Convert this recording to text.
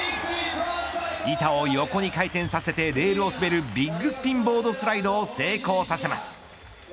板を横に回転させてレールを滑るビッグスピンボードスライドを成功させます。